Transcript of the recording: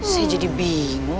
saya jadi bingung